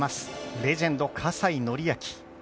レジェンド・葛西紀明。